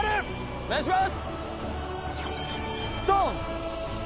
お願いします。